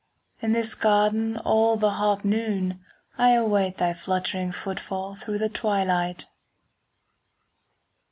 In this garden all the hot noon I await thy fluttering footfall 5 Through the twilight.